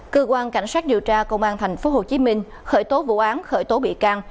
cơ quan cảnh sát điều tra công an tp hcm khởi tố vụ án khởi tố bị can